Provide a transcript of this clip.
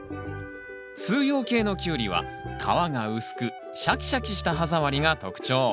四葉系のキュウリは皮が薄くシャキシャキした歯触りが特徴。